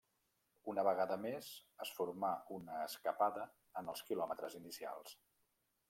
Una vegada més es formà una escapada en els quilòmetres inicials.